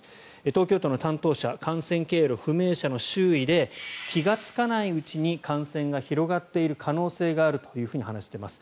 東京都の担当者感染経路不明者の周囲で気がつかないうちに感染が広がっている可能性があると話しています。